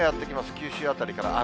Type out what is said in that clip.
九州辺りから雨。